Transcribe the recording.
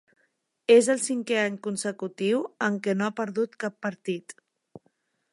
És el cinquè any consecutiu en què no ha perdut cap partit.